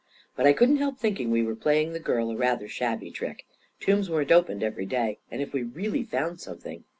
But I couldn't help thinking we were playing the girl a rather shabby trick. Tombs weren't opened every day; and if we really found something